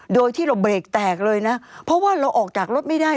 โดยที่เราเบรกแตกเลยนะเพราะว่าเราออกจากรถไม่ได้